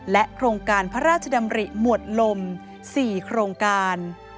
โครงการพระราชดำริหมวดลม๔โครงการ